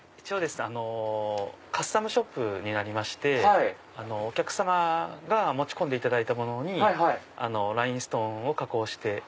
一応カスタムショップになりましてお客様が持ち込んでいただいたものにラインストーンを加工して。